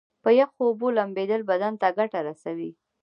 په یخو اوبو لمبیدل بدن ته ګټه رسوي.